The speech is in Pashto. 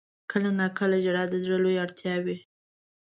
• کله ناکله ژړا د زړه لویه اړتیا وي.